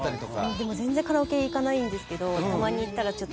でも全然カラオケ行かないんですけど。